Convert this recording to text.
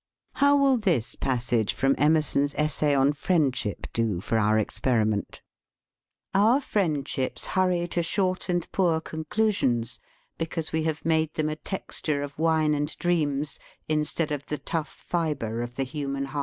How will this passage from Emerson's es say on Friendship do for our experiment: "Our friendships hurry to short and poor con clusions, because we have made them a texture of wine and dreams, instead of the tough fibre of the human heart."